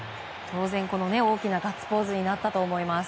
当然、大きなガッツポーズになったと思います。